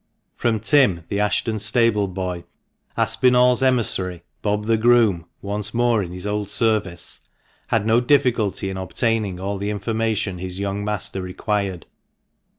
From Tim, the Ashton stable boy, Aspinall's emissary (Bob the groom, once more in his old service) had no difficulty in obtaining all the information his young master required.